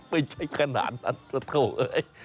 ไม่ใช่ขนาดนั้นโทษเถอะเฮ้ย